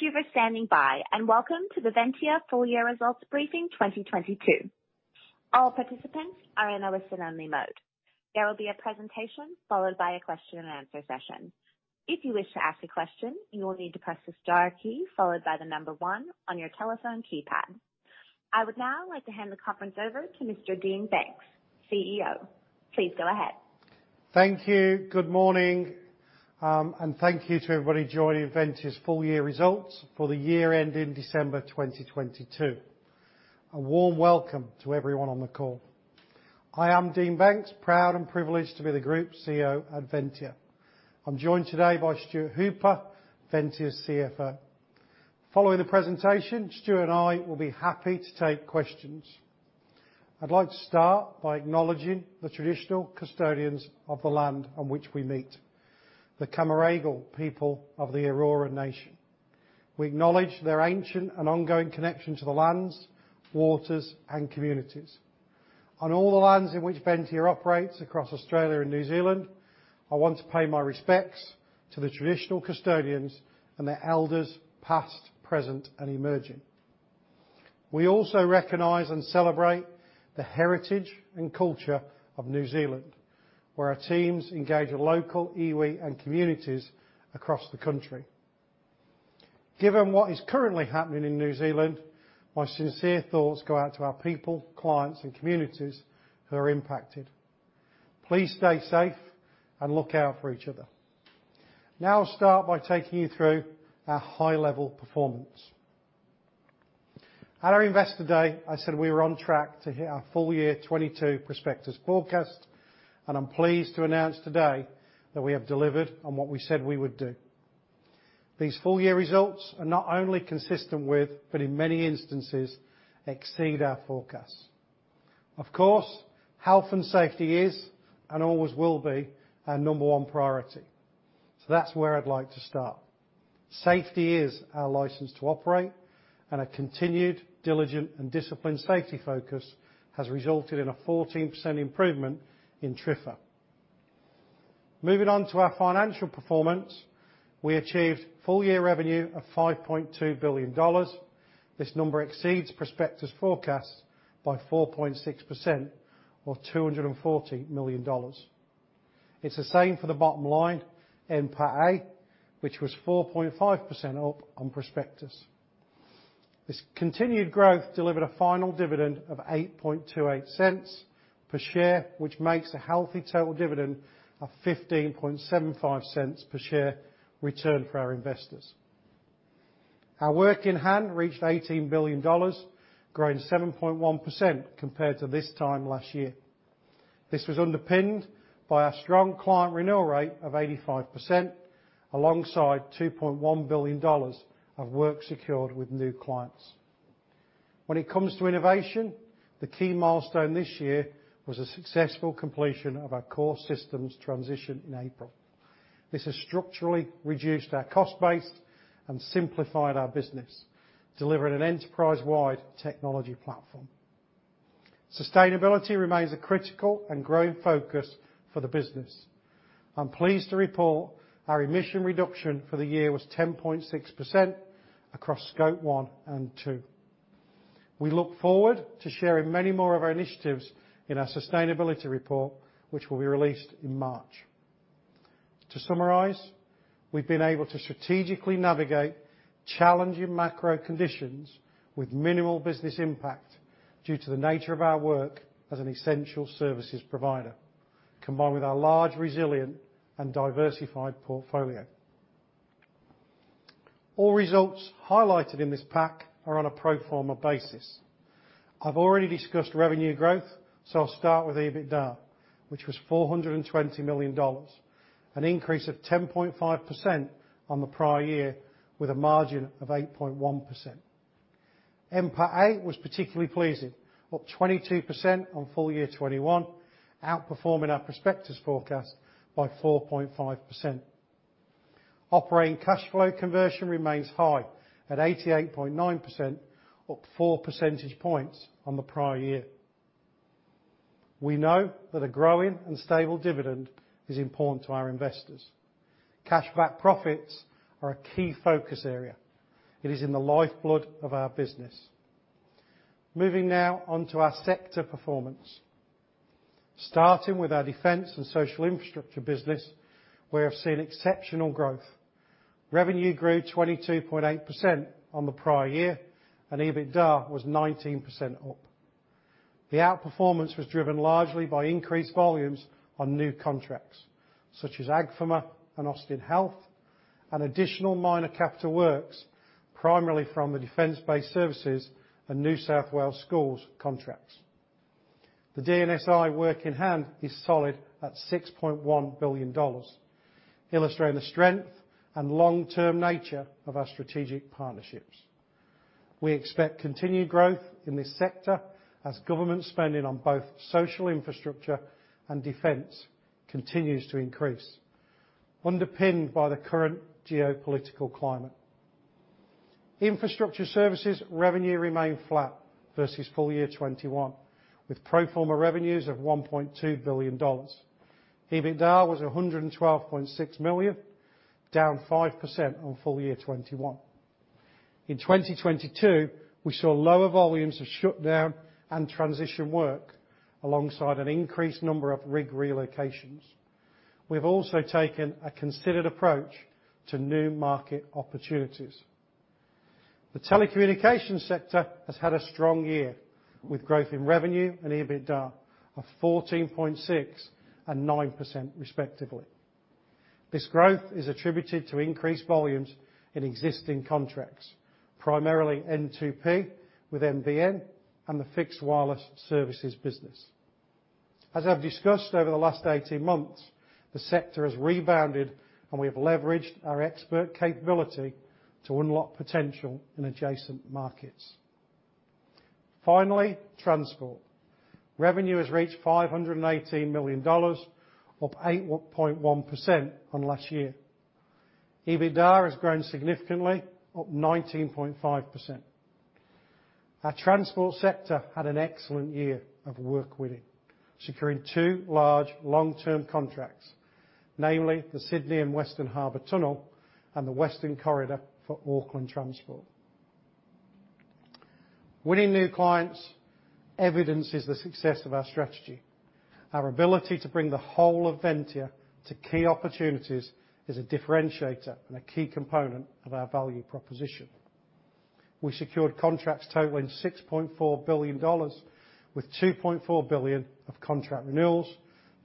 Thank you for standing by, Welcome to the Ventia Full Year Results Briefing 2022. All participants are in a listen-only mode. There will be a presentation followed by a question and answer session. If you wish to ask a question, you will need to press the star key followed by one on your telephone keypad. I would now like to hand the conference over to Mr. Dean Banks, CEO. Please go ahead. Thank you. Good morning, and thank you to everybody joining Ventia's full year results for the year ending December 2022. A warm welcome to everyone on the call. I am Dean Banks, proud and privileged to be the Group CEO at Ventia. I'm joined today by Stuart Hooper, Ventia's CFO. Following the presentation, Stuart and I will be happy to take questions. I'd like to start by acknowledging the traditional custodians of the land on which we meet, the Cammeraygal people of the Eora nation. We acknowledge their ancient and ongoing connection to the lands, waters, and communities. On all the lands in which Ventia operates across Australia and New Zealand, I want to pay my respects to the traditional custodians and their elders, past, present, and emerging. We also recognize and celebrate the heritage and culture of New Zealand, where our teams engage with local iwi and communities across the country. Given what is currently happening in New Zealand, my sincere thoughts go out to our people, clients, and communities who are impacted. Please stay safe and look out for each other. I'll start by taking you through our high-level performance. At our Investor Day, I said we were on track to hit our full year 2022 prospectus forecast. I'm pleased to announce today that we have delivered on what we said we would do. These full-year results are not only consistent with, but in many instances, exceed our forecasts. Of course, health and safety is, and always will be, our number one priority. That's where I'd like to start. Safety is our license to operate. A continued diligent and disciplined safety focus has resulted in a 14% improvement in TRIFR. Moving on to our financial performance, we achieved full year revenue of 5.2 billion dollars. This number exceeds prospectus forecasts by 4.6%, or 240 million dollars. It's the same for the bottom line, NPAT, which was 4.5% up on prospectus. This continued growth delivered a final dividend of AUD .0828 per share, which makes a healthy total dividend of 0.1575 per share returned for our investors. Our work in hand reached 18 billion dollars, growing 7.1% compared to this time last year. This was underpinned by our strong client renewal rate of 85%, alongside 2.1 billion dollars of work secured with new clients. When it comes to innovation, the key milestone this year was the successful completion of our core systems transition in April. This has structurally reduced our cost base and simplified our business, delivering an enterprise-wide technology platform. Sustainability remains a critical and growing focus for the business. I'm pleased to report our emission reduction for the year was 10.6% across scope one and two. We look forward to sharing many more of our initiatives in our sustainability report, which will be released in March. To summarize, we've been able to strategically navigate challenging macro conditions with minimal business impact due to the nature of our work as an essential services provider, combined with our large, resilient, and diversified portfolio. All results highlighted in this pack are on a pro forma basis. I've already discussed revenue growth, so I'll start with EBITDA, which was 420 million dollars, an increase of 10.5% on the prior year with a margin of 8.1%. NPAT was particularly pleasing, up 22% on full year 2021, outperforming our prospectus forecast by 4.5%. Operating cash flow conversion remains high at 88.9%, up four percentage points on the prior year. We know that a growing and stable dividend is important to our investors. Cash back profits are a key focus area. It is in the lifeblood of our business. Moving now on to our sector performance. Starting with our defense and social infrastructure business, we have seen exceptional growth. Revenue grew 22.8% on the prior year, and EBITDA was 19% up. The outperformance was driven largely by increased volumes on new contracts, such as AGFMA and Austin Health, and additional minor capital works primarily from the Defence Base Services and New South Wales Schools contracts. The DNSI work in hand is solid at 6.1 billion dollars, illustrating the strength and long-term nature of our strategic partnerships. We expect continued growth in this sector as government spending on both social infrastructure and defense continues to increase, underpinned by the current geopolitical climate. Infrastructure services revenue remained flat versus full year 2021, with pro forma revenues of 1.2 billion dollars. EBITDA was 112.6 million, down 5% on full year 2021. In 2022, we saw lower volumes of shutdown and transition work alongside an increased number of rig relocations. We've also taken a considered approach to new market opportunities. The telecommunications sector has had a strong year, with growth in revenue and EBITDA of 14.6% and 9% respectively. This growth is attributed to increased volumes in existing contracts, primarily N2P with NBN and the fixed wireless services business. As I've discussed over the last 18 months, the sector has rebounded, and we have leveraged our expert capability to unlock potential in adjacent markets. Finally, transport. Revenue has reached 518 million dollars, up 8.1% on last year. EBITDA has grown significantly, up 19.5%. Our transport sector had an excellent year of work winning, securing two large long-term contracts, namely the Sydney and Western Harbour Tunnel and the western corridor for Auckland Transport. Winning new clients evidences the success of our strategy. Our ability to bring the whole of Ventia to key opportunities is a differentiator and a key component of our value proposition. We secured contracts totaling 6.4 billion dollars, with 2.4 billion of contract renewals,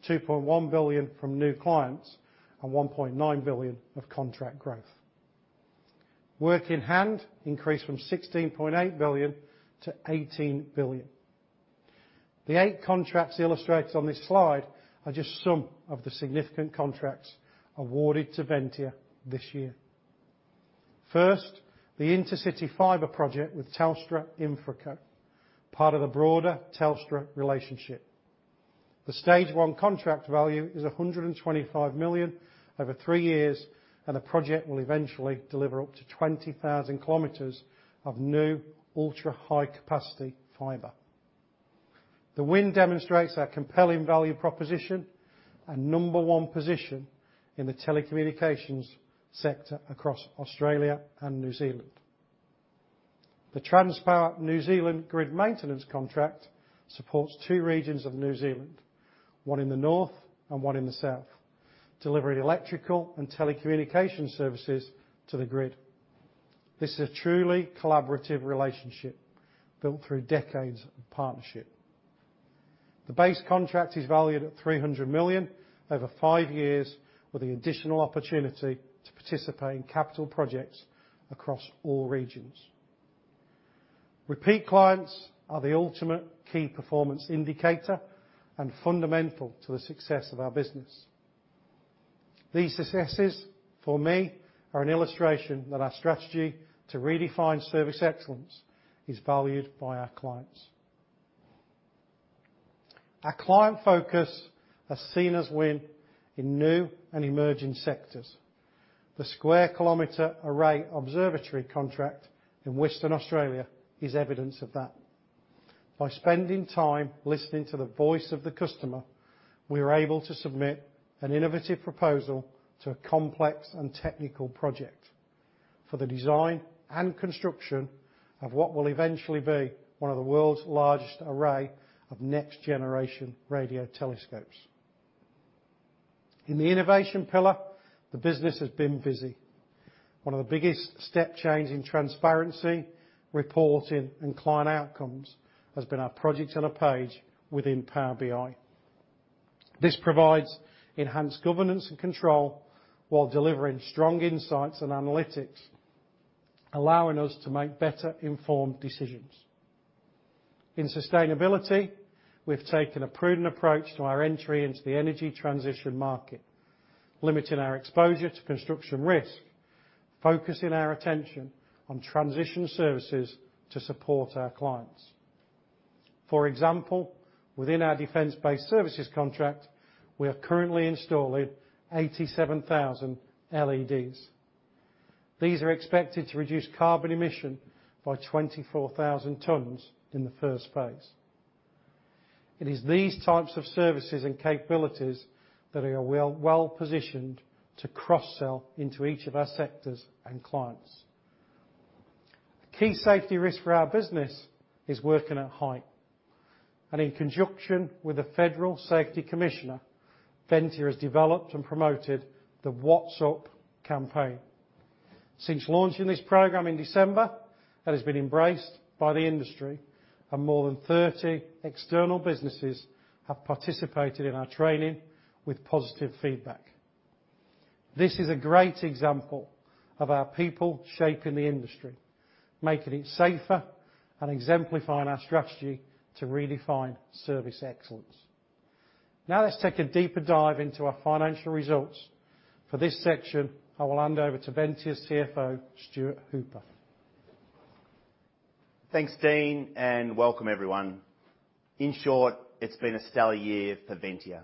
2.1 billion from new clients, and 1.9 billion of contract growth. Work in hand increased from 16.8 billion-18 billion. The eight contracts illustrated on this slide are just some of the significant contracts awarded to Ventia this year. First, the intercity fiber project with Telstra InfraCo, part of the broader Telstra relationship. The stage one contract value is 125 million over three years. The project will eventually deliver up to 20,000 km of new ultra-high capacity fiber. The win demonstrates our compelling value proposition and number one position in the telecommunications sector across Australia and New Zealand. The Transpower New Zealand Grid Maintenance contract supports two regions of New Zealand, one in the north and one in the south, delivering electrical and telecommunication services to the grid. This is a truly collaborative relationship built through decades of partnership. The base contract is valued at 300 million over five years, with the additional opportunity to participate in capital projects across all regions. Repeat clients are the ultimate key performance indicator and fundamental to the success of our business. These successes, for me, are an illustration that our strategy to redefine service excellence is valued by our clients. Our client focus has seen us win in new and emerging sectors. The Square Kilometre Array Observatory contract in Western Australia is evidence of that. By spending time listening to the voice of the customer, we were able to submit an innovative proposal to a complex and technical project for the design and construction of what will eventually be one of the world's largest array of next-generation radio telescopes. In the innovation pillar, the business has been busy. One of the biggest step change in transparency, reporting, and client outcomes has been our project on a page within Power BI. This provides enhanced governance and control while delivering strong insights and analytics, allowing us to make better-informed decisions. In sustainability, we've taken a prudent approach to our entry into the energy transition market, limiting our exposure to construction risk, focusing our attention on transition services to support our clients. For example, within our Defense Base Services contract, we are currently installing 87,000 LEDs. These are expected to reduce carbon emission by 24,000 tn in the first phase. It is these types of services and capabilities that are well, well-positioned to cross-sell into each of our sectors and clients. The key safety risk for our business is working at height. In conjunction with the Federal Safety Commissioner, Ventia has developed and promoted the What's Up? campaign. Since launching this program in December, it has been embraced by the industry, and more than 30 external businesses have participated in our training with positive feedback. This is a great example of our people shaping the industry, making it safer, and exemplifying our strategy to redefine service excellence. Let's take a deeper dive into our financial results. For this section, I will hand over to Ventia's CFO, Stuart Hooper. Thanks, Dean. Welcome everyone. In short, it's been a stellar year for Ventia.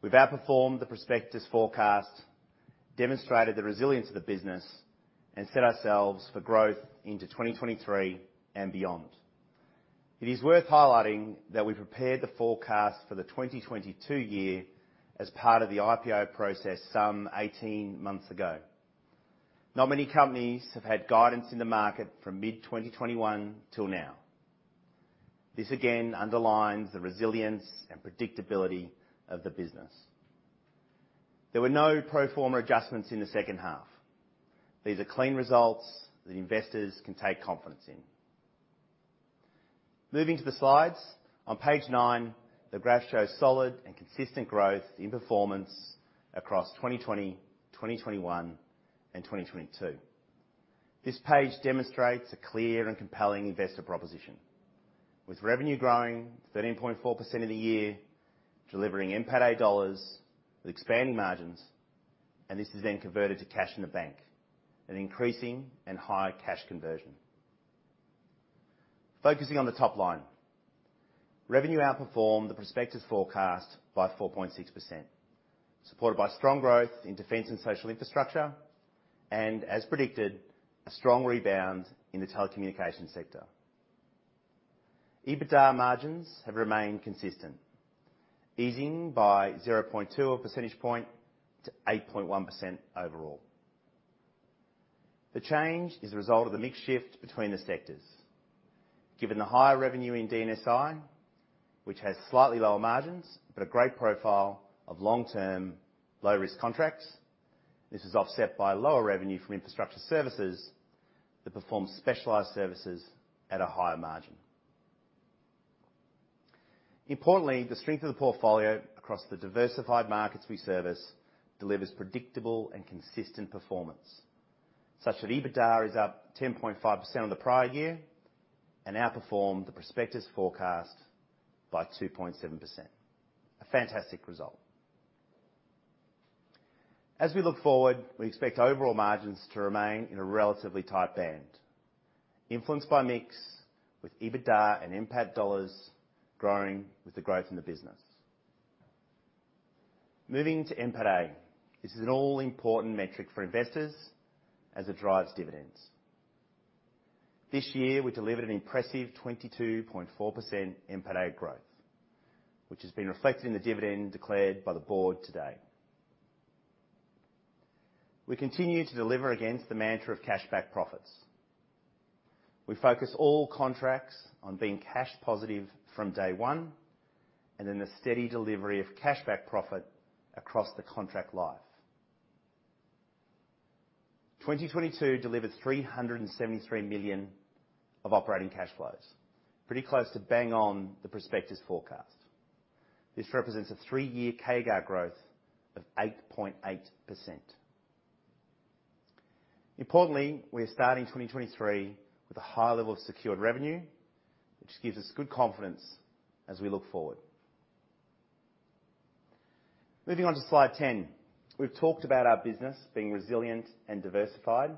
We've outperformed the prospectus forecast, demonstrated the resilience of the business, and set ourselves for growth into 2023 and beyond. It is worth highlighting that we prepared the forecast for the 2022 year as part of the IPO process some 18 months ago. Not many companies have had guidance in the market from mid-2021 till now. This again underlines the resilience and predictability of the business. There were no pro forma adjustments in the second half. These are clean results that investors can take confidence in. Moving to the slides, on page 9, the graph shows solid and consistent growth in performance across 2020, 2021 and 2022. This page demonstrates a clear and compelling investor proposition, with revenue growing 13.4% in the year, delivering NPAT dollars with expanding margins, this is then converted to cash in the bank, an increasing and higher cash conversion. Focusing on the top line, revenue outperformed the prospective forecast by 4.6%, supported by strong growth in Defence and social infrastructure, as predicted, a strong rebound in the telecommunication sector. EBITDA margins have remained consistent, easing by 0.2 percentage point to 8.1% overall. The change is a result of the mix shift between the sectors. Given the higher revenue in D&SI, which has slightly lower margins, a great profile of long-term low-risk contracts, this is offset by lower revenue from infrastructure services that perform specialized services at a higher margin. Importantly, the strength of the portfolio across the diversified markets we service delivers predictable and consistent performance, such that EBITDA is up 10.5% on the prior year and outperformed the prospectus forecast by 2.7%. A fantastic result. As we look forward, we expect overall margins to remain in a relatively tight band, influenced by mix with EBITDA and NPAT dollars growing with the growth in the business. Moving to NPAT. This is an all-important metric for investors as it drives dividends. This year, we delivered an impressive 22.4% NPAT growth, which has been reflected in the dividend declared by the board today. We continue to deliver against the mantra of cash back profits. We focus all contracts on being cash positive from day one and then the steady delivery of cash back profit across the contract life. 2022 delivered 373 million of operating cash flows, pretty close to bang on the prospectus forecast. This represents a three year CAGR growth of 8.8%. Importantly, we're starting 2023 with a high level of secured revenue, which gives us good confidence as we look forward. Moving on to slide 10. We've talked about our business being resilient and diversified.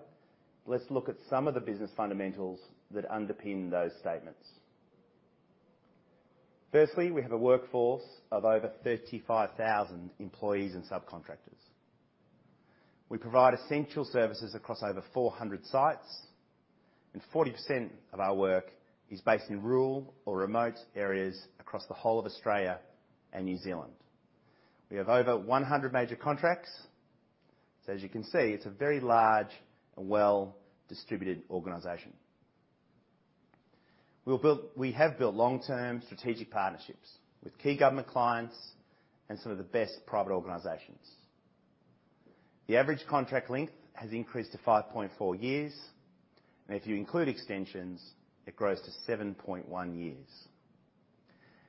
Let's look at some of the business fundamentals that underpin those statements. Firstly, we have a workforce of over 35,000 employees and subcontractors. We provide essential services across over 400 sites, and 40% of our work is based in rural or remote areas across the whole of Australia and New Zealand. We have over 100 major contracts. As you can see, it's a very large and well-distributed organization. We have built long-term strategic partnerships with key government clients and some of the best private organizations. The average contract length has increased to 5.4 years. If you include extensions, it grows to 7.1 years.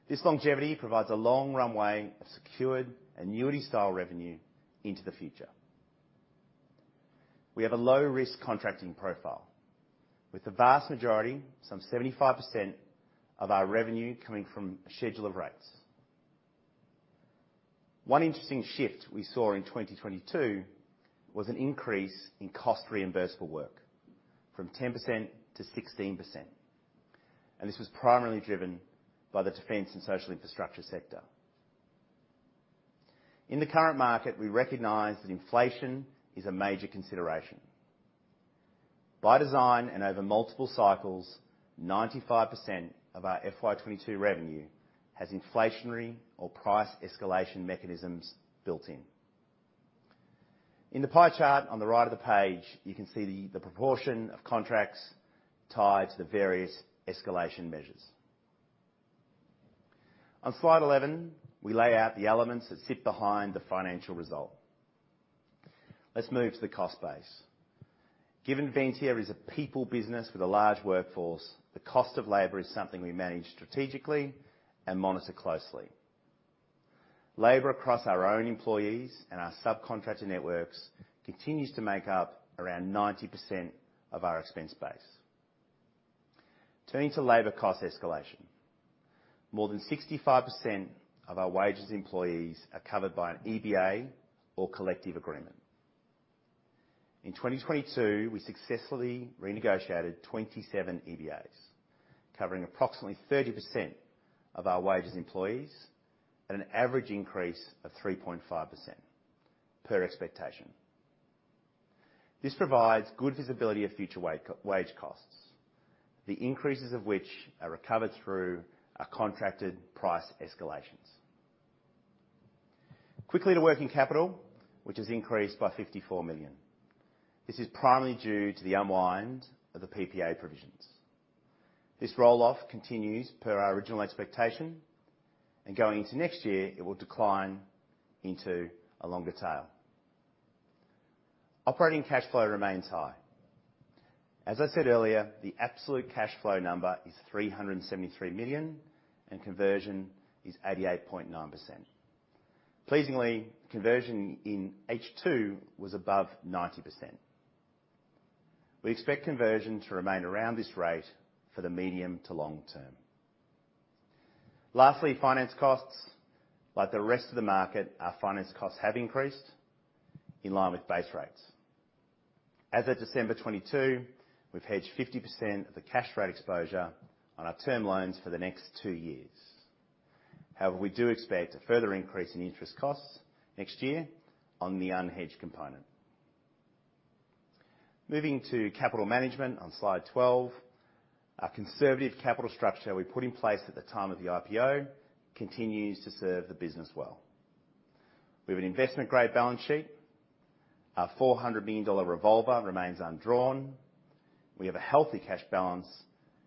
This longevity provides a long runway of secured annuity style revenue into the future. We have a low risk contracting profile with the vast majority, some 75% of our revenue coming from a schedule of rates. One interesting shift we saw in 2022 was an increase in cost reimbursable work from 10%-16%. This was primarily driven by the defense and social infrastructure sector. In the current market, we recognize that inflation is a major consideration. By design and over multiple cycles, 95% of our FY22 revenue has inflationary or price escalation mechanisms built in. In the pie chart on the right of the page, you can see the proportion of contracts tied to the various escalation measures. On slide 11, we lay out the elements that sit behind the financial result. Let's move to the cost base. Given Ventia is a people business with a large workforce, the cost of labor is something we manage strategically and monitor closely. Labor across our own employees and our subcontractor networks continues to make up around 90% of our expense base. Turning to labor cost escalation, more than 65% of our wages employees are covered by an EBA or collective agreement. In 2022, we successfully renegotiated 27 EBAs, covering approximately 30% of our wages employees at an average increase of 3.5% per expectation. This provides good visibility of future wage costs, the increases of which are recovered through our contracted price escalations. Quickly to working capital, which has increased by 54 million. This is primarily due to the unwind of the PPA provisions. This roll-off continues per our original expectation, and going into next year, it will decline into a longer tail. Operating cash flow remains high. As I said earlier, the absolute cash flow number is 373 million, and conversion is 88.9%. Pleasingly, conversion in H2 was above 90%. We expect conversion to remain around this rate for the medium to long term. Lastly, finance costs. Like the rest of the market, our finance costs have increased in line with base rates. As of December 2022, we've hedged 50% of the cash rate exposure on our term loans for the next two years. However, we do expect a further increase in interest costs next year on the unhedged component. Moving to capital management on slide 12. Our conservative capital structure we put in place at the time of the IPO continues to serve the business well. We have an investment-grade balance sheet. Our 400 million dollar revolver remains undrawn. We have a healthy cash balance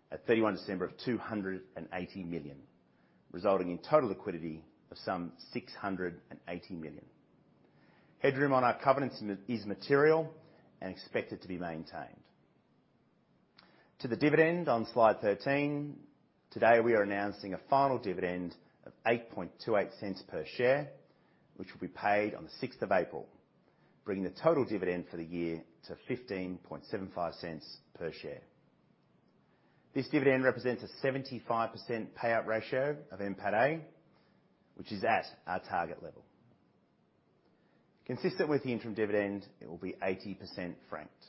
at 31 December of 280 million, resulting in total liquidity of some 680 million. Headroom on our covenants is material and expected to be maintained. To the dividend on slide 13. Today, we are announcing a final dividend of AUD .0828 per share, which will be paid on the 6th of April, bringing the total dividend for the year to 0.1575 per share. This dividend represents a 75% payout ratio of NPAT, which is at our target level. Consistent with the interim dividend, it will be 80% franked.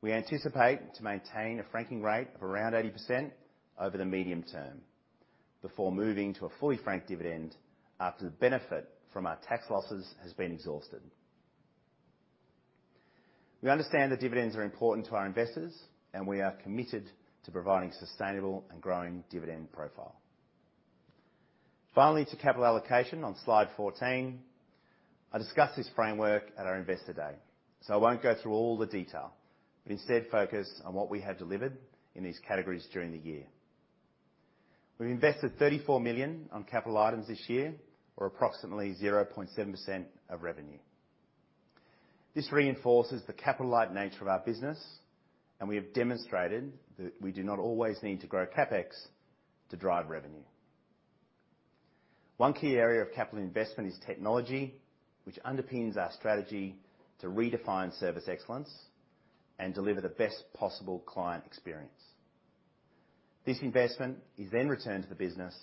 We anticipate to maintain a franking rate of around 80% over the medium term before moving to a fully franked dividend after the benefit from our tax losses has been exhausted. We understand that dividends are important to our investors, and we are committed to providing sustainable and growing dividend profile. Finally, to capital allocation on slide 14. I discussed this framework at our Investor Day, I won't go through all the detail, but instead focus on what we have delivered in these categories during the year. We've invested 34 million on capital items this year or approximately 0.7% of revenue. This reinforces the capital-light nature of our business, we have demonstrated that we do not always need to grow CapEx to drive revenue. One key area of capital investment is technology, which underpins our strategy to redefine service excellence and deliver the best possible client experience. This investment is returned to the business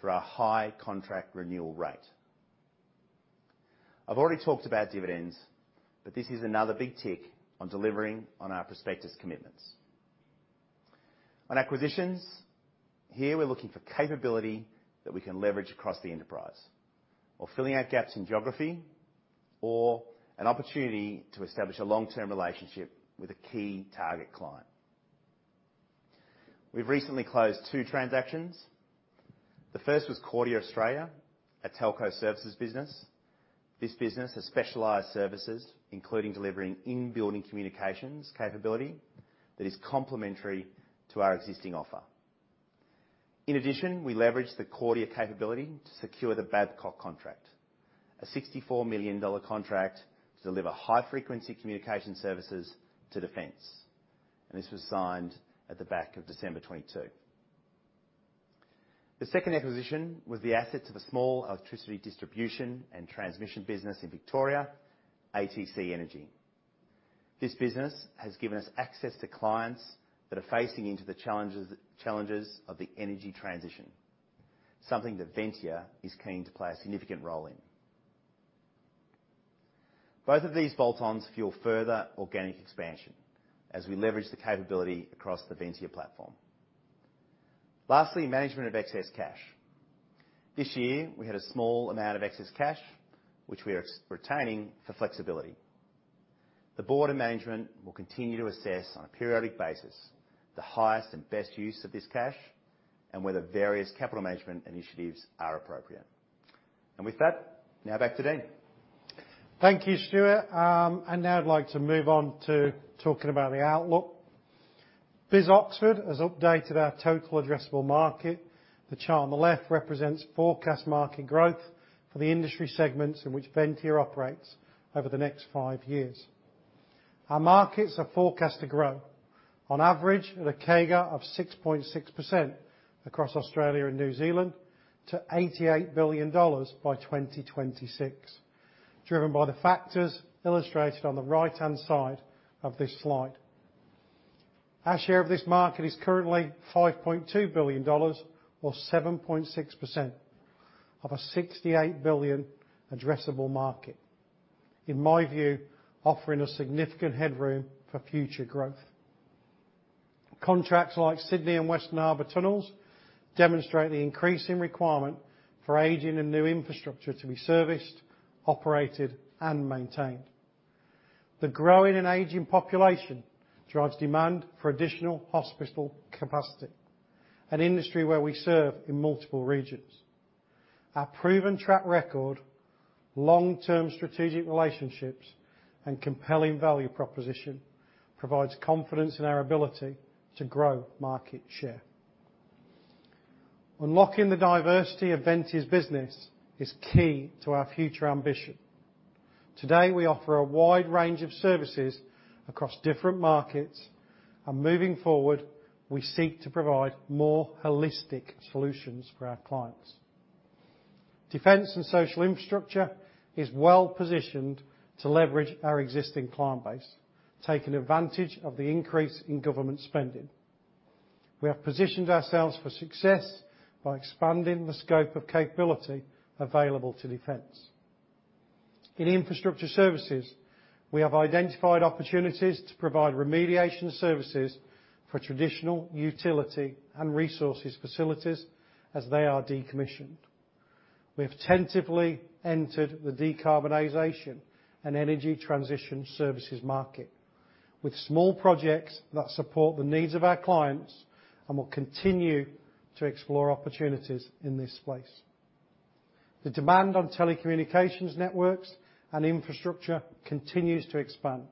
through our high contract renewal rate. I've already talked about dividends, this is another big tick on delivering on our prospectus commitments. On acquisitions, here, we're looking for capability that we can leverage across the enterprise or filling out gaps in geography or an opportunity to establish a long-term relationship with a key target client. We've recently closed two transactions. The first was Kordia Australia, a telco services business. This business has specialized services, including delivering in-building communications capability that is complementary to our existing offer. In addition, we leveraged the Kordia capability to secure the Babcock contract, a 64 million dollar contract to deliver high-frequency communication services to Defence. This was signed at the back of December 2022. The second acquisition was the assets of a small electricity distribution and transmission business in Victoria, ATC Energy. This business has given us access to clients that are facing into the challenges of the energy transition, something that Ventia is keen to play a significant role in. Both of these bolt-ons fuel further organic expansion as we leverage the capability across the Ventia platform. Lastly, management of excess cash. This year, we had a small amount of excess cash, which we are retaining for flexibility. The board of management will continue to assess on a periodic basis the highest and best use of this cash and whether various capital management initiatives are appropriate. With that, now back to Dean. Thank you, Stuart. Now I'd like to move on to talking about the outlook. BIS Oxford has updated our total addressable market. The chart on the left represents forecast market growth for the industry segments in which Ventia operates over the next five years. Our markets are forecast to grow on average at a CAGR of 6.6% across Australia and New Zealand to 88 billion dollars by 2026, driven by the factors illustrated on the right-hand side of this slide. Our share of this market is currently 5.2 billion dollars or 7.6% of a 68 billion addressable market. In my view, offering a significant headroom for future growth. Contracts like Sydney and Western Harbour Tunnels demonstrate the increasing requirement for aging and new infrastructure to be serviced, operated, and maintained. The growing and aging population drives demand for additional hospital capacity, an industry where we serve in multiple regions. Our proven track record, long-term strategic relationships, and compelling value proposition provides confidence in our ability to grow market share. Unlocking the diversity of Ventia's business is key to our future ambition. Today, we offer a wide range of services across different markets. Moving forward, we seek to provide more holistic solutions for our clients. Defense and social infrastructure is well-positioned to leverage our existing client base, taking advantage of the increase in government spending. We have positioned ourselves for success by expanding the scope of capability available to defense. In infrastructure services, we have identified opportunities to provide remediation services for traditional utility and resources facilities as they are decommissioned. We have tentatively entered the decarbonization and energy transition services market with small projects that support the needs of our clients and will continue to explore opportunities in this space. The demand on telecommunications networks and infrastructure continues to expand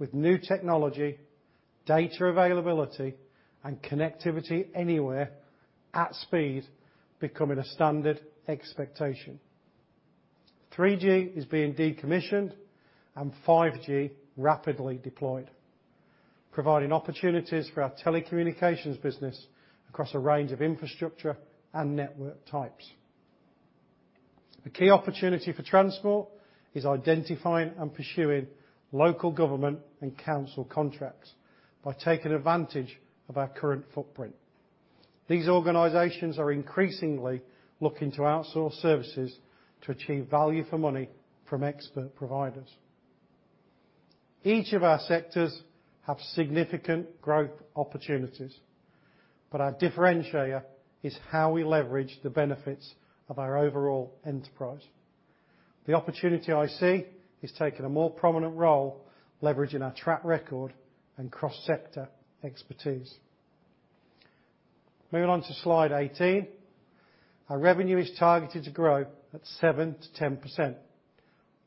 with new technology, data availability, and connectivity anywhere at speed becoming a standard expectation. 3G is being decommissioned and 5G rapidly deployed, providing opportunities for our telecommunications business across a range of infrastructure and network types. The key opportunity for transport is identifying and pursuing local government and council contracts by taking advantage of our current footprint. These organizations are increasingly looking to outsource services to achieve value for money from expert providers. Each of our sectors have significant growth opportunities, but our differentiator is how we leverage the benefits of our overall enterprise. The opportunity I see is taking a more prominent role leveraging our track record and cross-sector expertise. Moving on to slide 18. Our revenue is targeted to grow at 7%-10%,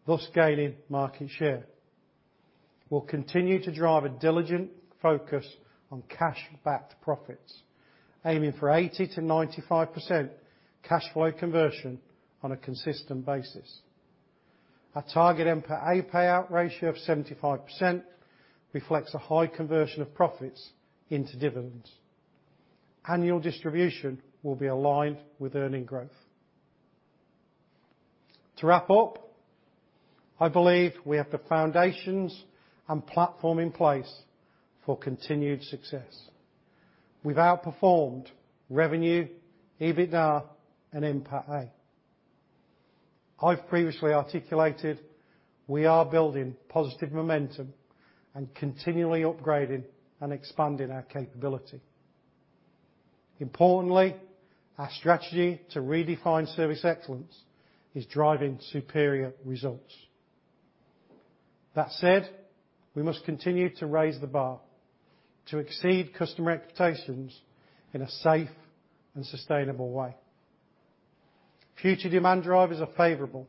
thus gaining market share. We'll continue to drive a diligent focus on cash-backed profits, aiming for 80%-95% cash flow conversion on a consistent basis. Our target NPATA payout ratio of 75% reflects a high conversion of profits into dividends. Annual distribution will be aligned with earning growth. To wrap up, I believe we have the foundations and platform in place for continued success. We've outperformed revenue, EBITDA, and NPATA. I've previously articulated we are building positive momentum and continually upgrading and expanding our capability. Importantly, our strategy to redefine service excellence is driving superior results. That said, we must continue to raise the bar to exceed customer expectations in a safe and sustainable way. Future demand drivers are favorable,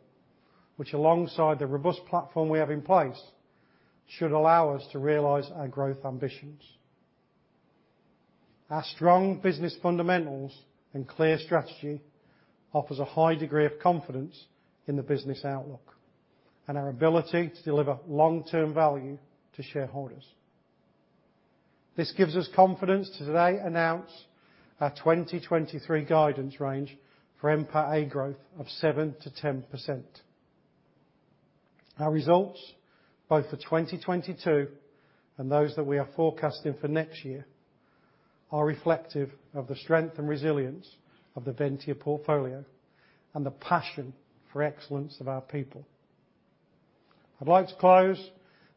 which alongside the robust platform we have in place, should allow us to realize our growth ambitions. Our strong business fundamentals and clear strategy offers a high degree of confidence in the business outlook and our ability to deliver long-term value to shareholders. This gives us confidence to today announce our 2023 guidance range for NPATA growth of 7%-10%. Our results both for 2022 and those that we are forecasting for next year are reflective of the strength and resilience of the Ventia portfolio and the passion for excellence of our people. I'd like to close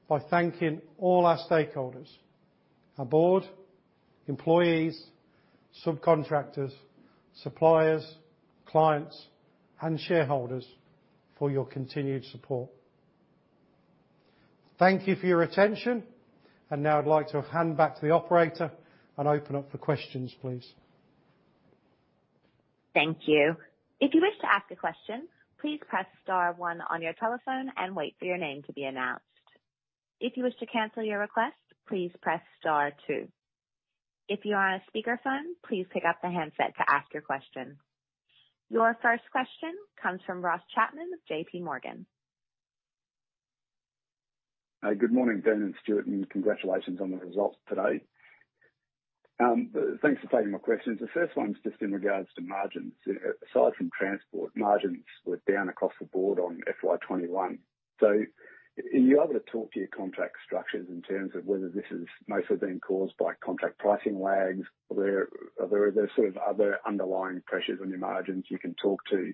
by thanking all our stakeholders, our board, employees, subcontractors, suppliers, clients, and shareholders for your continued support. Thank you for your attention. Now I'd like to hand back to the operator and open up for questions, please. Thank you. If you wish to ask a question, please press star one on your telephone and wait for your name to be announced. If you wish to cancel your request, please press star two. If you are on a speakerphone, please pick up the handset to ask your question. Your first question comes from Ross Chapman of J.P. Morgan. Good morning, Dean and Stuart, congratulations on the results today. Thanks for taking my questions. The first one is just in regards to margins. Aside from transport, margins were down across the board on FY21. Are you able to talk to your contract structures in terms of whether this is mostly being caused by contract pricing lags? Are there sort of other underlying pressures on your margins you can talk to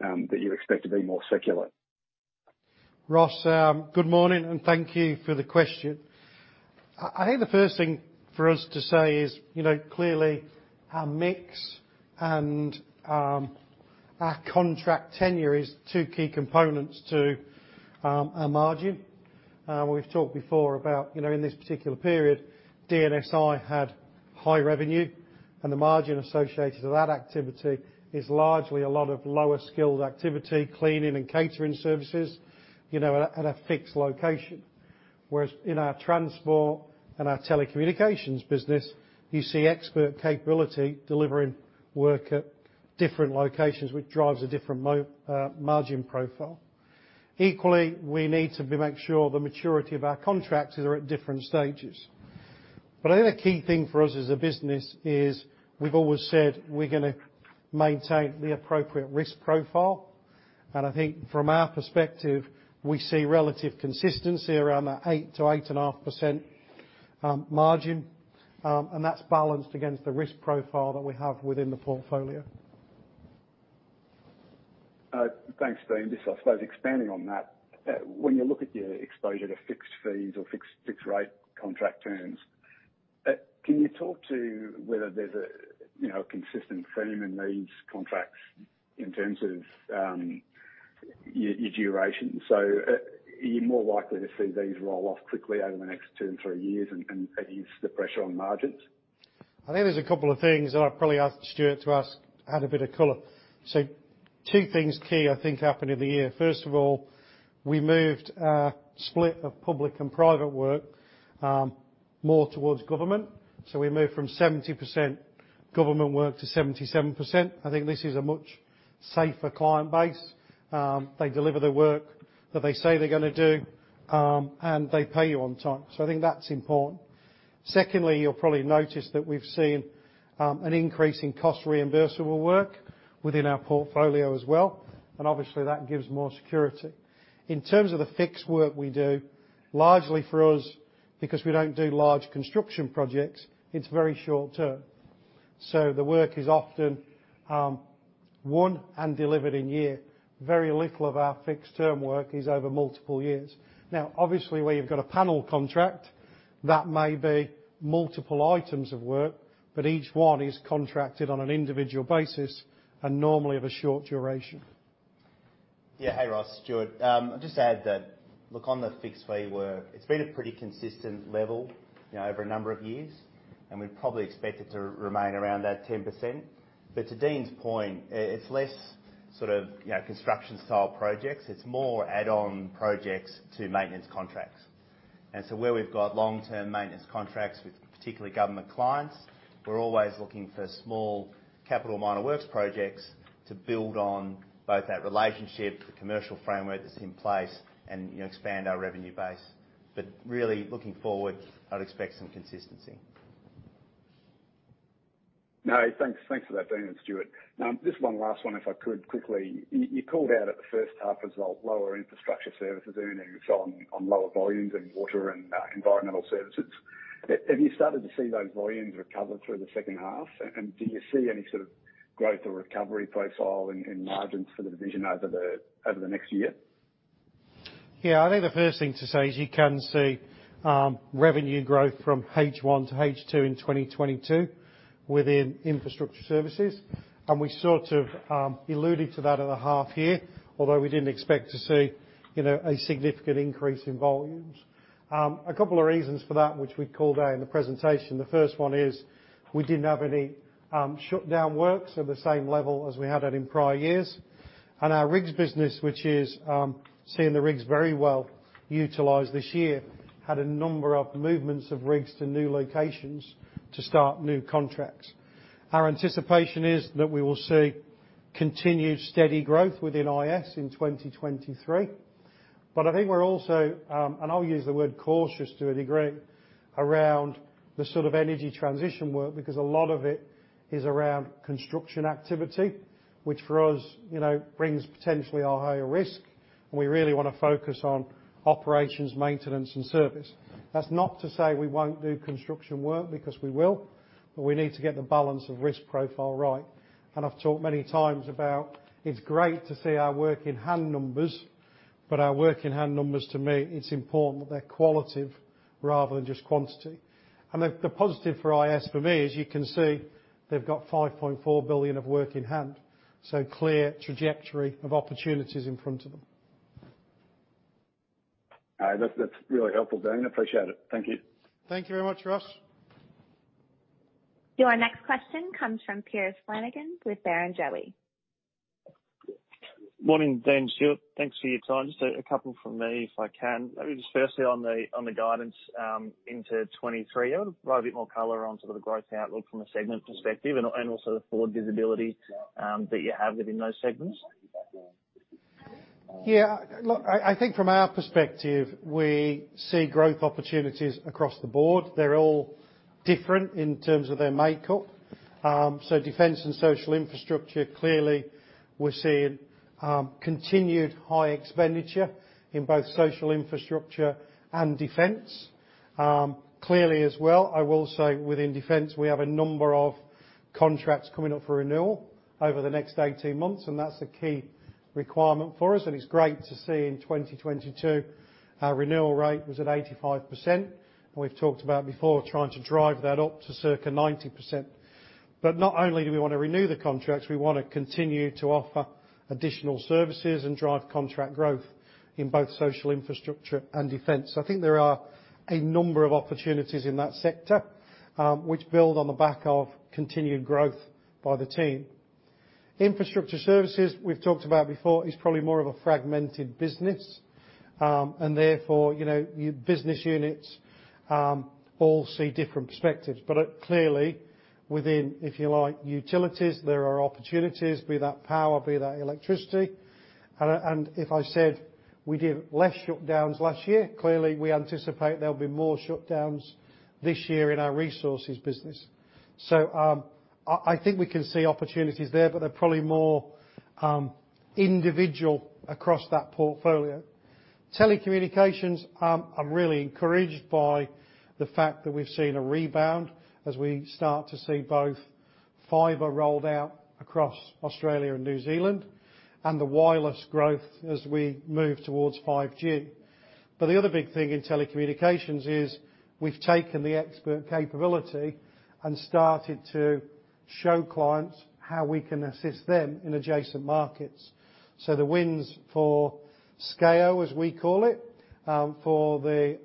that you expect to be more secular? Ross, good morning, and thank you for the question. I think the first thing for us to say is, you know, clearly our mix and our contract tenure is two key components to our margin. We've talked before about, you know, in this particular period, DNSI had high revenue, and the margin associated to that activity is largely a lot of lower skilled activity, cleaning and catering services, you know, at a fixed location. Whereas in our transport and our telecommunications business, you see expert capability delivering work at different locations, which drives a different margin profile. Equally, we need to make sure the maturity of our contracts are at different stages. I think a key thing for us as a business is we've always said we're gonna maintain the appropriate risk profile. I think from our perspective, we see relative consistency around that 8%-8.5% margin. That's balanced against the risk profile that we have within the portfolio. Thanks, Dean. Just I suppose expanding on that, when you look at your exposure to fixed fees or fixed rate contract terms, can you talk to whether there's a, you know, consistent theme in these contracts in terms of your duration? So, are you more likely to see these roll off quickly over the next two and three years and ease the pressure on margins? I think there's a couple of things that I'll probably ask Stuart to add a bit of color. Two things key I think happened in the year. First of all, we moved our split of public and private work more towards government. We moved from 70% government work to 77%. I think this is a much safer client base. They deliver the work that they say they're gonna do and they pay you on time. I think that's important. Secondly, you'll probably notice that we've seen an increase in cost reimbursable work within our portfolio as well, and obviously that gives more security. In terms of the fixed work we do, largely for us, because we don't do large construction projects, it's very short term. The work is often won and delivered in year. Very little of our fixed-term work is over multiple years. Now, obviously, where you've got a panel contract, that may be multiple items of work, but each one is contracted on an individual basis and normally of a short duration. Yeah. Hey, Ross. Stuart. I'll just add that, look, on the fixed fee work, it's been a pretty consistent level, you know, over a number of years, and we probably expect it to remain around that 10%. To Dean's point, it's less sort of, you know, construction-style projects, it's more add-on projects to maintenance contracts. Where we've got long-term maintenance contracts with particularly government clients, we're always looking for small capital minor works projects to build on both that relationship, the commercial framework that's in place and, you know, expand our revenue base. Really looking forward, I'd expect some consistency. No, thanks. Thanks for that, Dean and Stuart. Just one last one if I could quickly. You called out at the first half result, lower infrastructure services earnings on lower volumes and water and environmental services. Have you started to see those volumes recover through the second half? Do you see any sort of growth or recovery profile in margins for the division over the next year? Yeah. I think the first thing to say is you can see revenue growth from H1-H2 in 2022 within infrastructure services. We sort of alluded to that at the half year, although we didn't expect to see, you know, a significant increase in volumes. A couple of reasons for that, which we called out in the presentation. The first one is, we didn't have any shutdown works at the same level as we had had in prior years. Our rigs business, which is seeing the rigs very well utilized this year, had a number of movements of rigs to new locations to start new contracts. Our anticipation is that we will see continued steady growth within IS in 2023. I think we're also, and I'll use the word cautious to a degree around the sort of energy transition work, because a lot of it is around construction activity, which for us, you know, brings potentially a higher risk. We really wanna focus on operations, maintenance, and service. That's not to say we won't do construction work because we will, but we need to get the balance of risk profile right. I've talked many times about it's great to see our work in hand numbers, but our work in hand numbers, to me, it's important that they're qualitative rather than just quantity. The, the positive for IS for me is you can see they've got 5.4 billion of work in hand, so clear trajectory of opportunities in front of them. All right. That's really helpful, Dean. Appreciate it. Thank you. Thank you very much, Ross. Your next question comes from Piers Flanagan with Barrenjoey. Morning, Dean and Stuart. Thanks for your time. Just a couple from me if I can. Maybe just firstly on the guidance into 2023. I wanna provide a bit more color on sort of the growth outlook from a segment perspective and also the forward visibility that you have within those segments. Yeah. Look, I think from our perspective, we see growth opportunities across the board. They're all different in terms of their makeup. Defence and social infrastructure, clearly, we're seeing continued high expenditure in both social infrastructure and Defence. Clearly as well, I will say within Defence, we have a number of contracts coming up for renewal over the next 18 months, and that's a key requirement for us. It's great to see in 2022, our renewal rate was at 85%. We've talked about before trying to drive that up to circa 90%. Not only do we wanna renew the contracts, we wanna continue to offer additional services and drive contract growth in both social infrastructure and Defence. I think there are a number of opportunities in that sector, which build on the back of continued growth by the team. Infrastructure services, we've talked about before, is probably more of a fragmented business, and therefore, you know, your business units all see different perspectives. Clearly within, if you like, utilities, there are opportunities, be that power, be that electricity. If I said we did less shutdowns last year, clearly we anticipate there'll be more shutdowns this year in our resources business. I think we can see opportunities there, but they're probably more individual across that portfolio. Telecommunications, I'm really encouraged by the fact that we've seen a rebound as we start to see both fiber rolled out across Australia and New Zealand and the wireless growth as we move towards 5G. The other big thing in telecommunications is we've taken the expert capability and started to show clients how we can assist them in adjacent markets. The wins for SKAO, as we call it, for the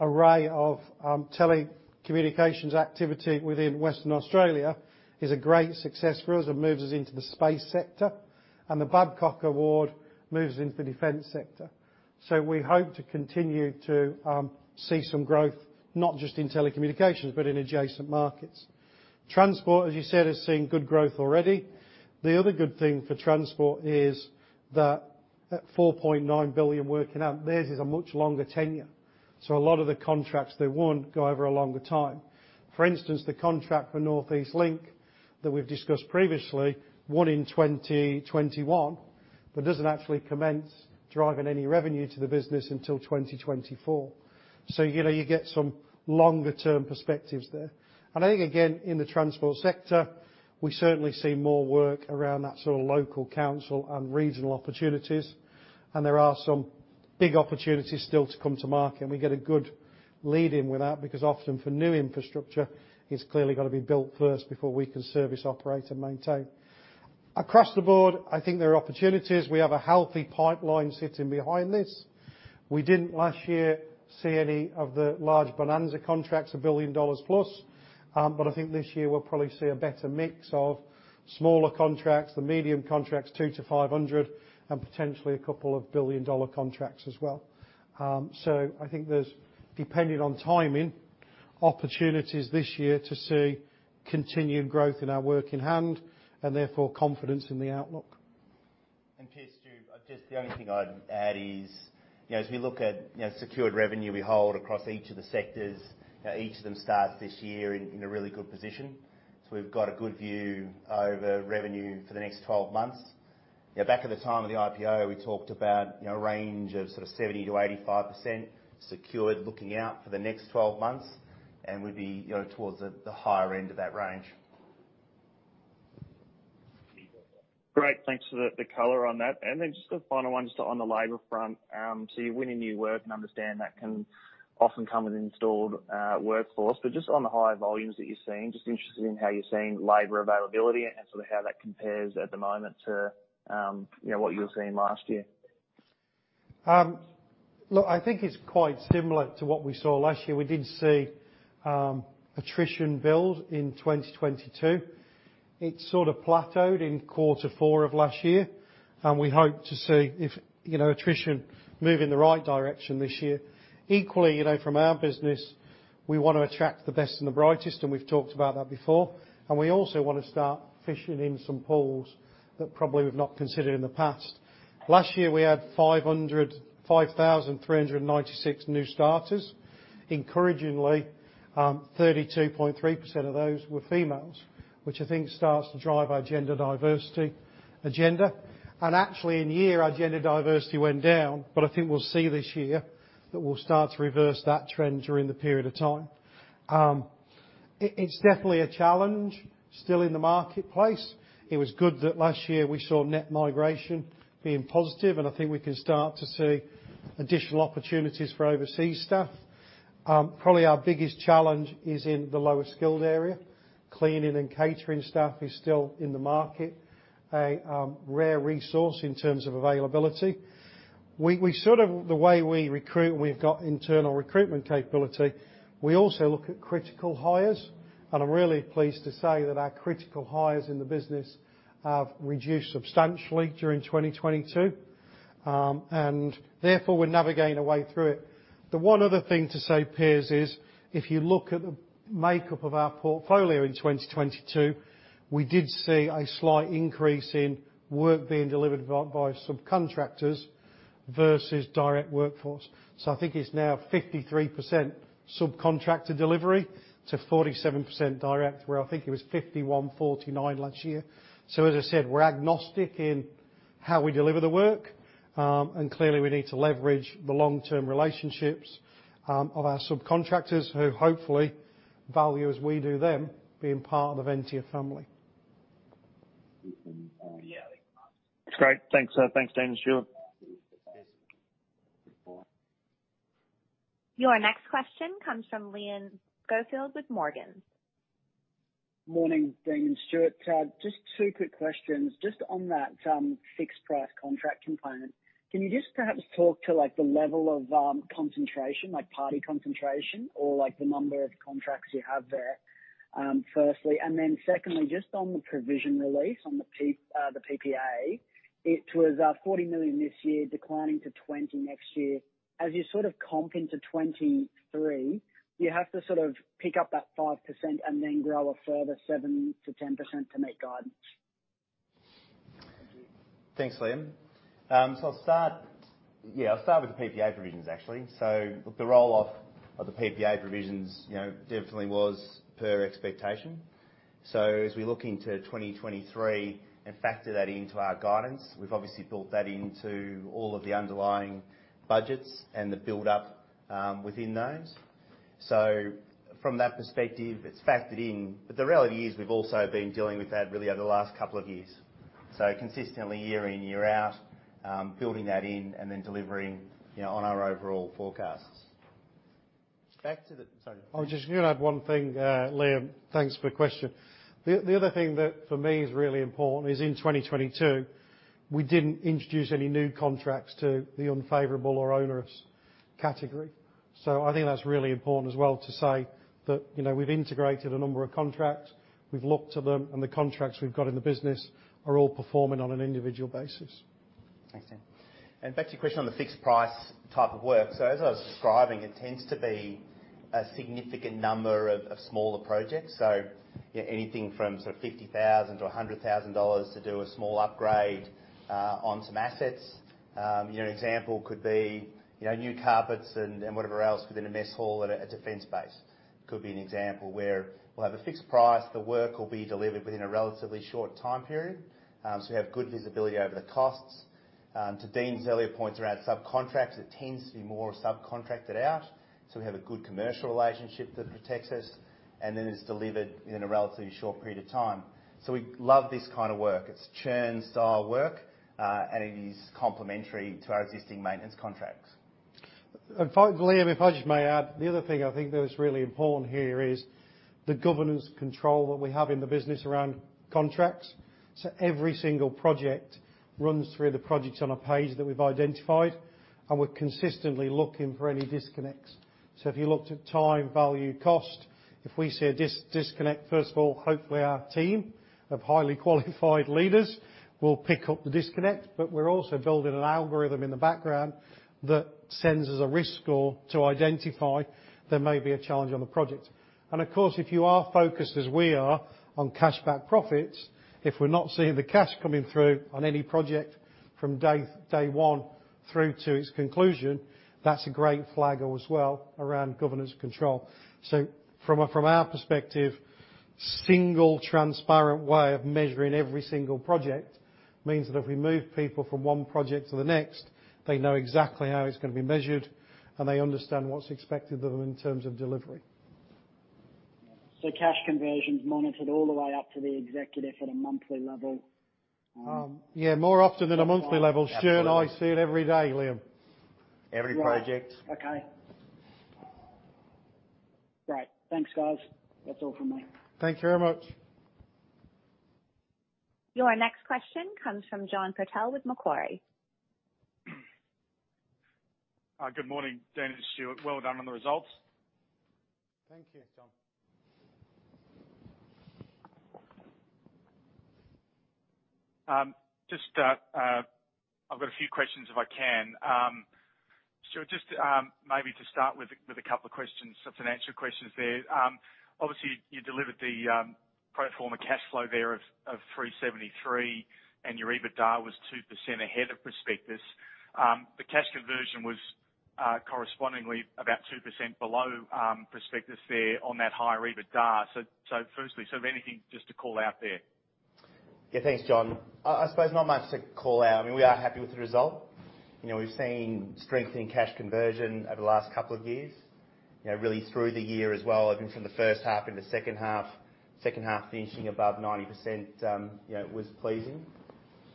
array of telecommunications activity within Western Australia is a great success for us and moves us into the space sector, and the Babcock award moves into the defense sector. We hope to continue to see some growth, not just in telecommunications, but in adjacent markets. Transport, as you said, is seeing good growth already. The other good thing for transport is that at 4.9 billion working out, theirs is a much longer tenure. A lot of the contracts they won go over a longer time. For instance, the contract for North East Link that we've discussed previously, won in 2021, but doesn't actually commence driving any revenue to the business until 2024. You know, you get some longer term perspectives there. I think again, in the transport sector, we certainly see more work around that sort of local council and regional opportunities. There are some big opportunities still to come to market, and we get a good lead in with that because often for new infrastructure, it's clearly got to be built first before we can service, operate, and maintain. Across the board, I think there are opportunities. We have a healthy pipeline sitting behind this. We didn't last year see any of the large bonanza contracts, 1 billion dollars+. I think this year we'll probably see a better mix of smaller contracts, the medium contracts, 200 million-500 million, and potentially a couple of 1 billion dollar contracts as well. I think there's, depending on timing, opportunities this year to see continued growth in our work in hand, and therefore confidence in the outlook. Piers, Stu, just the only thing I'd add is, you know, as we look at, you know, secured revenue we hold across each of the sectors, each of them start this year in a really good position. We've got a good view over revenue for the next 12 months. You know, back at the time of the IPO, we talked about, you know, a range of sort of 70%-85% secured looking out for the next 12 months, and we'd be, you know, towards the higher end of that range. Great. Thanks for the color on that. Just a final one just on the labor front. You're winning new work and understand that can often come with installed workforce. Just on the higher volumes that you're seeing, just interested in how you're seeing labor availability and sort of how that compares at the moment to, you know, what you were seeing last year. Look, I think it's quite similar to what we saw last year. We did see attrition build in 2022. It sort of plateaued in quarter four of last year, and we hope to see if, you know, attrition move in the right direction this year. Equally, you know, from our business, we want to attract the best and the brightest, and we've talked about that before. We also wanna start fishing in some pools that probably we've not considered in the past. Last year, we had 5,396 new starters. Encouragingly, 32.3% of those were females, which I think starts to drive our gender diversity agenda. Actually in a year, our gender diversity went down. I think we'll see this year that we'll start to reverse that trend during the period of time. It's definitely a challenge still in the marketplace. It was good that last year we saw net migration being positive, I think we can start to see additional opportunities for overseas staff. Probably our biggest challenge is in the lower skilled area. Cleaning and catering staff is still in the market, a rare resource in terms of availability. The way we recruit, we've got internal recruitment capability. We also look at critical hires, I'm really pleased to say that our critical hires in the business have reduced substantially during 2022. Therefore, we're navigating our way through it. The one other thing to say, Piers, is if you look at the makeup of our portfolio in 2022, we did see a slight increase in work being delivered by subcontractors versus direct workforce. I think it's now 53% subcontractor delivery to 47% direct, where I think it was 51%, 49% last year. As I said, we're agnostic in how we deliver the work. Clearly, we need to leverage the long-term relationships of our subcontractors who hopefully value as we do them, being part of the Ventia family. That's great. Thanks, Dean and Stuart. Your next question comes from Liam Schofield with Morgan. Morning, Dean and Stuart. Just two quick questions. Just on that fixed price contract component, can you just perhaps talk to, like, the level of concentration, like party concentration or like the number of contracts you have there, firstly? Secondly, just on the provision release on the PPA, it was 40 million this year, declining to 20 million next year. As you sort of comp into 2023, you have to sort of pick up that 5% and then grow a further 7%-10% to meet guidance. Thanks, Liam. I'll start with the PPA provisions actually. The roll-off of the PPA provisions, you know, definitely was per expectation. As we look into 2023 and factor that into our guidance, we've obviously built that into all of the underlying budgets and the build-up within those. From that perspective, it's factored in. The reality is we've also been dealing with that really over the last couple of years. Consistently year in, year out, building that in and then delivering, you know, on our overall forecasts. I was just gonna add one thing, Liam. Thanks for your question. The other thing that for me is really important is in 2022, we didn't introduce any new contracts to the unfavorable or onerous category. I think that's really important as well to say that, you know, we've integrated a number of contracts, we've looked to them, and the contracts we've got in the business are all performing on an individual basis. Thanks, Dean. Back to your question on the fixed price type of work. As I was describing, it tends to be a significant number of smaller projects. Anything from sort of 50,000-100,000 dollars to do a small upgrade on some assets. You know, an example could be, you know, new carpets and whatever else within a mess hall at a defense base. Could be an example where we'll have a fixed price, the work will be delivered within a relatively short time period, so we have good visibility over the costs. To Dean's earlier points around subcontractors, it tends to be more subcontracted out, so we have a good commercial relationship that protects us, and then it's delivered in a relatively short period of time. We love this kind of work. It's churn style work, and it is complementary to our existing maintenance contracts. Liam, if I just may add, the other thing I think that is really important here is the governance control that we have in the business around contracts. Every single project runs through the projects on a page that we've identified, and we're consistently looking for any disconnects. If you looked at time, value, cost, if we see a disconnect, first of all, hopefully our team of highly qualified leaders will pick up the disconnect. We're also building an algorithm in the background that sends us a risk score to identify there may be a challenge on the project. Of course, if you are focused as we are on cash back profits, if we're not seeing the cash coming through on any project from day one through to its conclusion, that's a great flagger as well around governance control. From our perspective, single transparent way of measuring every single project means that if we move people from one project to the next, they know exactly how it's gonna be measured, and they understand what's expected of them in terms of delivery. Cash conversion's monitored all the way up to the executive at a monthly level? Yeah, more often than a monthly level. Absolutely. Stuart and I see it every day, Liam. Every project. Okay. Great. Thanks, guys. That's all from me. Thank you very much. Your next question comes from John Purtell with Macquarie. Good morning, Dean and Stuart. Well done on the results. Thank you, John. I've got a few questions if I can. Stuart, just, maybe to start with a couple of questions, some financial questions there. Obviously you delivered the pro forma cash flow there of 373, and your EBITDA was 2% ahead of prospectus. The cash conversion was correspondingly about 2% below prospectus there on that higher EBITDA. Firstly, anything just to call out there? Yeah. Thanks, John. I suppose not much to call out. I mean, we are happy with the result. You know, we've seen strength in cash conversion over the last couple of years. You know, really through the year as well, I think from the first half into second half, second half finishing above 90%, you know, was pleasing.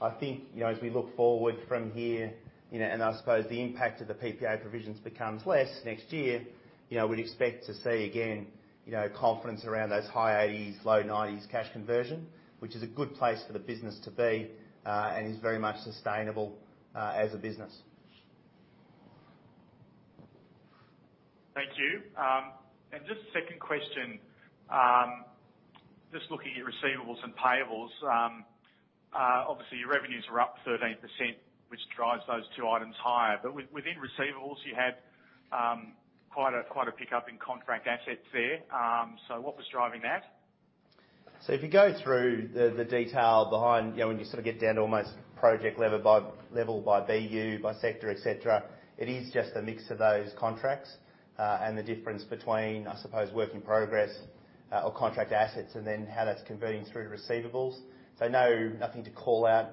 I think, you know, as we look forward from here, you know, I suppose the impact of the PPA provisions becomes less next year, you know, we'd expect to see again, you know, confidence around those high 80s, low 90s cash conversion, which is a good place for the business to be, is very much sustainable as a business. Thank you. Just second question. Just looking at receivables and payables, obviously your revenues were up 13%, which drives those two items higher. Within receivables, you had quite a pickup in contract assets there. What was driving that? If you go through the detail behind, you know, when you sort of get down to almost project level by BU, by sector, et cetera, it is just a mix of those contracts, and the difference between, I suppose, work in progress, or contract assets and then how that's converting through to receivables. No, nothing to call out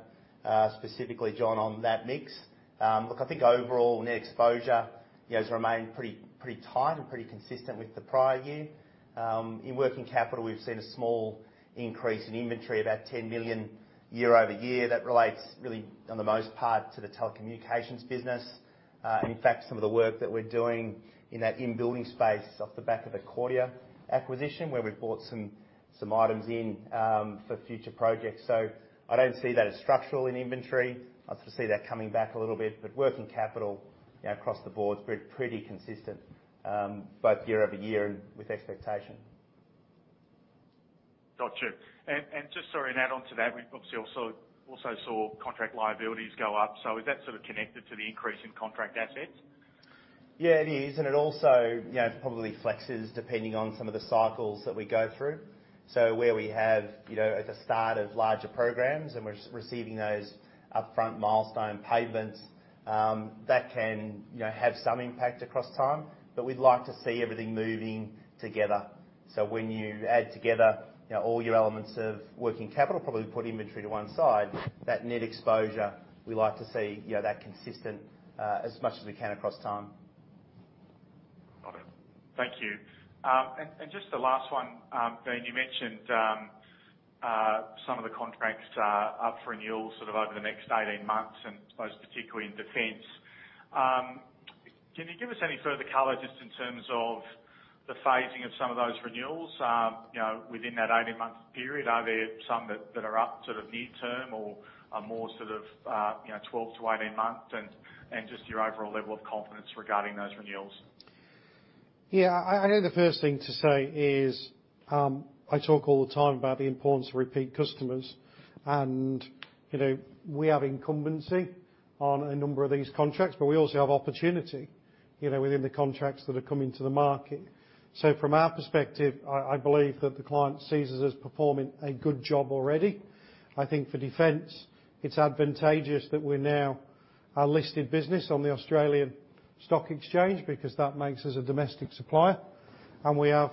specifically, John, on that mix. Look, I think overall net exposure, you know, has remained pretty tight and pretty consistent with the prior year. In working capital, we've seen a small increase in inventory, about 10 million year-over-year. That relates really on the most part to the telecommunications business. In fact, some of the work that we're doing in that in building space is off the back of the Kordia acquisition, where we've brought some items in for future projects. I don't see that as structural in inventory. I just see that coming back a little bit. Working capital, you know, across the board is pretty consistent, both year-over-year and with expectation. Got you. Just sorry, an add on to that. We obviously also saw contract liabilities go up. Is that sort of connected to the increase in contract assets? Yeah, it is. It also, you know, probably flexes depending on some of the cycles that we go through. Where we have, you know, at the start of larger programs and we're receiving those upfront milestone payments, that can, you know, have some impact across time. We'd like to see everything moving together. When you add together, you know, all your elements of working capital, probably put inventory to one side, that net exposure, we like to see, you know, that consistent, as much as we can across time. Got it. Thank you. Just the last one. Ian, you mentioned, some of the contracts are up for renewal sort of over the next 18 months and those particularly in defense. Can you give us any further color just in terms of the phasing of some of those renewals, you know, within that 18 month period? Are there some that are up sort of near term or are more sort of, you know, 12 to 18 months? Just your overall level of confidence regarding those renewals. Yeah. I know the first thing to say is, I talk all the time about the importance of repeat customers. You know, we have incumbency on a number of these contracts, but we also have opportunity, you know, within the contracts that are coming to the market. From our perspective, I believe that the client sees us as performing a good job already. I think for defense, it's advantageous that we're now a listed business on the Australian Securities Exchange because that makes us a domestic supplier. We have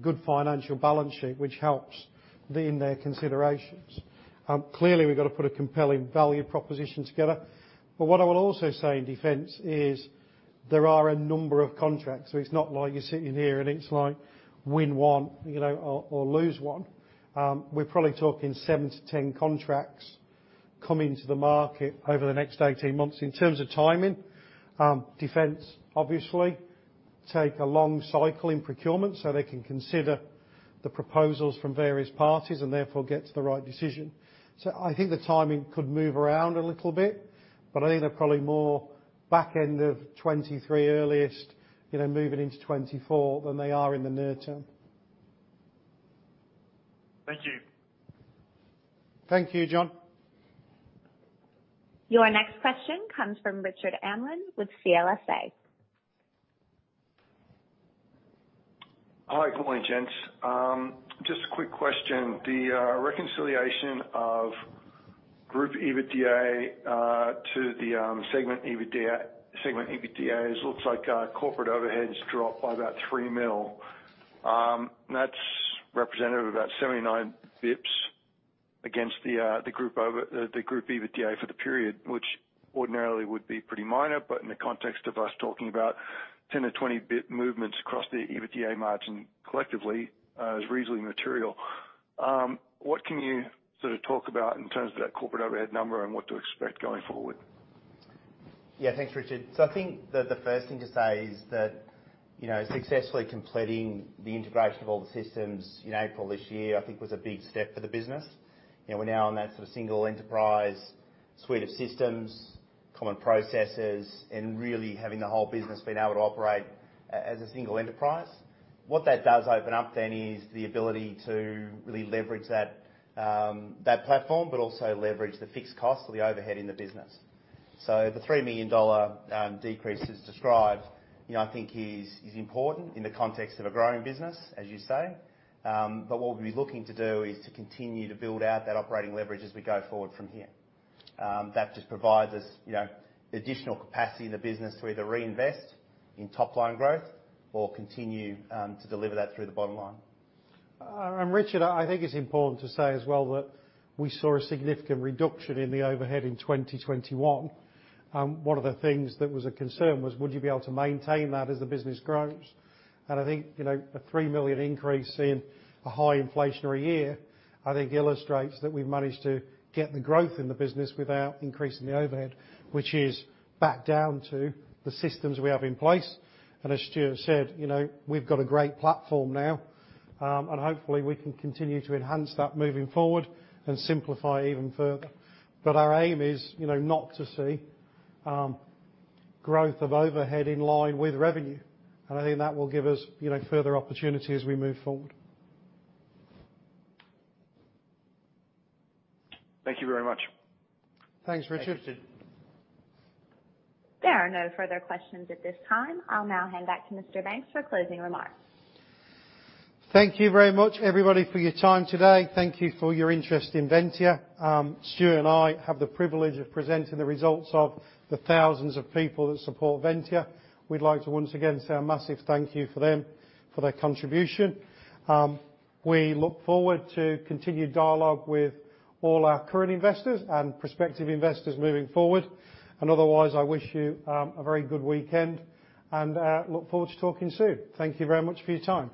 good financial balance sheet, which helps in their considerations. Clearly we've got to put a compelling value proposition together. What I will also say in defense is there are a number of contracts. It's not like you're sitting here and it's like, win one, you know, or lose one. We're probably talking 7-10 contracts coming to the market over the next 18 months. In terms of timing, defense obviously take a long cycle in procurement so they can consider the proposals from various parties and therefore get to the right decision. I think the timing could move around a little bit, but I think they're probably more back end of 2023 earliest, you know, moving into 2024 than they are in the near term. Thank you. Thank you, John. Your next question comes from Richard Amland with CLSA. Hi. Good morning, gents. Just a quick question. The reconciliation of group EBITDA to the segment EBITDA, it looks like corporate overheads dropped by about 3 million. That's representative of about 79 basis points against the group EBITDA for the period, which ordinarily would be pretty minor, but in the context of us talking about 10 basis point-20 basis point movements across the EBITDA margin collectively, is reasonably material. What can you sort of talk about in terms of that corporate overhead number and what to expect going forward? Thanks, Richard Amland. I think the first thing to say is that, you know, successfully completing the integration of all the systems in April this year, I think was a big step for the business. You know, we're now on that sort of single enterprise suite of systems, common processes, and really having the whole business being able to operate as a single enterprise. What that does open up then is the ability to really leverage that platform, but also leverage the fixed cost or the overhead in the business. The 3 million dollar decrease as described, you know, I think is important in the context of a growing business, as you say. What we'll be looking to do is to continue to build out that operating leverage as we go forward from here. That just provides us, you know, the additional capacity in the business to either reinvest in top line growth or continue to deliver that through the bottom line. Richard, I think it's important to say as well that we saw a significant reduction in the overhead in 2021. One of the things that was a concern was would you be able to maintain that as the business grows? I think, you know, a 3 million increase in a high inflationary year, I think illustrates that we've managed to get the growth in the business without increasing the overhead, which is back down to the systems we have in place. As Stuart said, you know, we've got a great platform now. Hopefully we can continue to enhance that moving forward and simplify even further. Our aim is, you know, not to see growth of overhead in line with revenue. I think that will give us, you know, further opportunity as we move forward. Thank you very much. Thanks, Richard. There are no further questions at this time. I'll now hand back to Mr. Banks for closing remarks. Thank you very much everybody for your time today. Thank you for your interest in Ventia. Stuart and I have the privilege of presenting the results of the thousands of people that support Ventia. We'd like to once again say a massive thank you for them for their contribution. We look forward to continued dialogue with all our current investors and prospective investors moving forward. Otherwise, I wish you a very good weekend and look forward to talking soon. Thank you very much for your time.